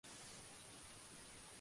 Su madre es María Rosa García Barajas.